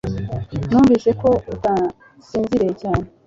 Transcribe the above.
Numvise ko utasinziriye cyane